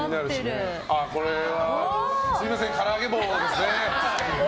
これはすみませんからあげ棒ですね。